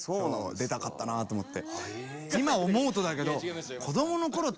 出たかったなと思って。